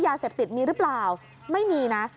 ยาเสพติดมีหรือเปล่าไม่มีนะ